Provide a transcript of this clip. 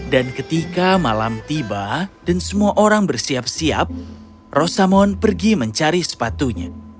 dan ketika malam tiba dan semua orang bersiap siap rosamon pergi mencari sepatunya